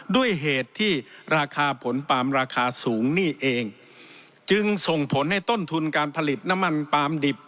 ด้วยเหตุที่ราคาผลปาล์มราคาสูงนี่เองจึงส่งผลให้ต้นทุนการผลิตน้ำมันปาล์มดิบ